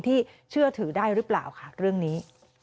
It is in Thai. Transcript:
ที่เชื่อถือได้หรือเปล่าค่ะเรื่องนี้